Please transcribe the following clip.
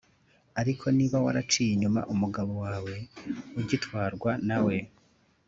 Ariko niba waraciye inyuma umugabo wawe ugitwarwa na we